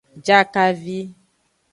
Jakavi.